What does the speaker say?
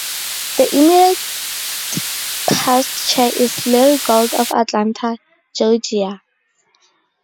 The immediate past chair is Larry Gold of Atlanta, Georgia.